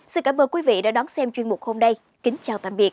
xin cảm ơn quý vị đã đón xem chuyên mục hôm nay kính chào tạm biệt